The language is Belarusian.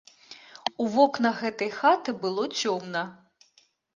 У вокнах гэтай хаты было цёмна.